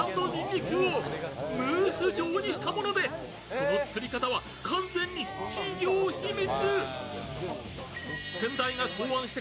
その作り方は完全に企業秘密！